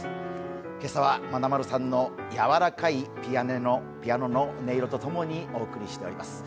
今朝はまなまるさんの柔らかいピアノの音色と共にお送りしています。